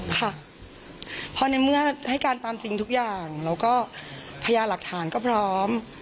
ค่ะพอในเมื่อให้การตามจริงทุกอย่างแล้วก็พญาหลักฐานก็พร้อม